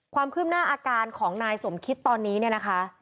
ความคลึ่มหน้าอาการของนายสมคิตตอนนี้นะคะ